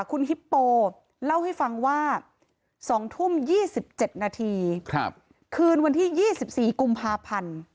คุณฮิปโปเล่าให้ฟังว่า๒ทุ่ม๒๗นาทีคืนวันที่๒๔กุมภาพันธ์